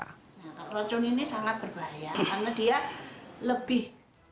nah kalau racun ini sangat berbahaya karena dia lebih